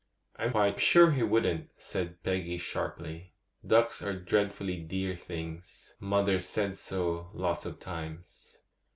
'I'm quite sure he wouldn't,' said Peggy sharply; 'ducks are dreadfully dear things: mother's said so lots of times.